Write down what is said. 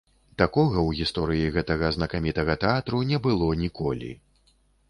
Такога ў гісторыі гэтага знакамітага тэатру не было ніколі.